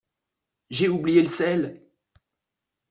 J’ai oublié le sel.